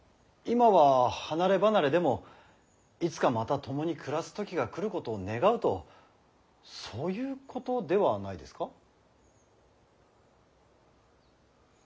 今は離れ離れでもいつかまた共に暮らす時が来ることを願うとそういうことではないですか。